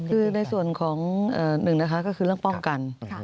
คือในส่วนของหนึ่งนะคะก็คือเรื่องป้องกัน